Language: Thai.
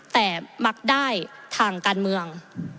แต่มักได้ทางการเมือง